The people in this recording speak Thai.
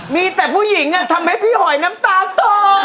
มีแต่ผู้หญิงทำให้พี่หอยน้ำตาโต